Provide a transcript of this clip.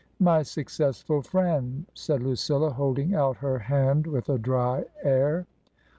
" My successful friend !" said Lucilla, holding out her hand with a dry air.